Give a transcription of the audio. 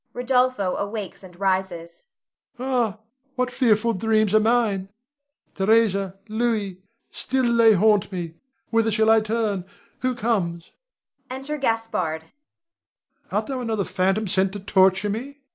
_ Rod. [awakes and rises]. Ah, what fearful dreams are mine! Theresa Louis still they haunt me! Whither shall I turn? Who comes? [Enter Gaspard.] Art thou another phantom sent to torture me?